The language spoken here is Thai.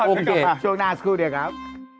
โอเคช่วงหน้าสักครู่เดี๋ยวครับ